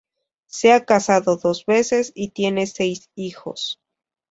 Se ha casado dos veces y tiene seis hijos.